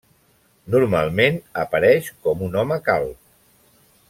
Normalment, apareix com un home calb.